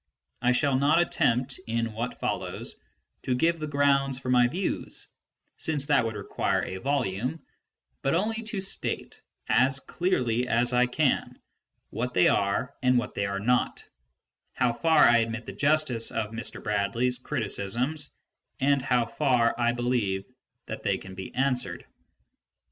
I shall not attempt, in what follows, to give the grounds for my views, since that would require a volume, but only to state, as clearly as I can, what they are and what they are not, how far I admit the justice of Mr. Bradley's criticisms, and how far I believe that they can be answered.